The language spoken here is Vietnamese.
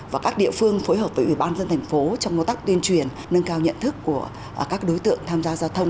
và các địa phương phối hợp với ủy ban dân thành phố trong công tác tuyên truyền nâng cao nhận thức của các đối tượng tham gia giao thông